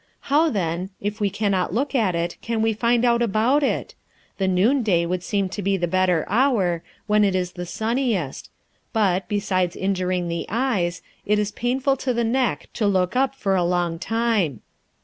How, then, if we can not look at it, can we find out about it? The noonday would seem to be the better hour, when it is the sunniest; but, besides injuring the eyes, it is painful to the neck to look up for a long time.